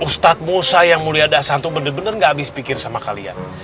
ustaz musa yang mulia dasar itu bener bener gak habis pikir sama kalian